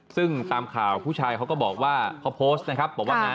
ซึ่งตามข่าวผู้ชายเขาก็บอกว่าเขาโพสต์นะครับบอกว่าไง